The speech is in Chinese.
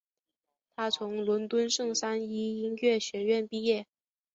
他从伦敦圣三一音乐学院毕业。